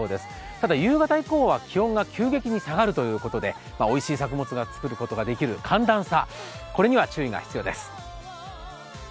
ただ夕方以降は気温が急激に下がるということでおいしい作物ができるのに必要な寒暖差には注意が必要です。